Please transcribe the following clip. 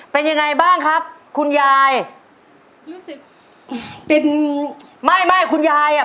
เป็นยังไงบ้างครับคุณยายรู้สึกเป็นไม่ไม่คุณยายอ่ะ